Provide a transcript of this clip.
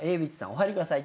お入りください。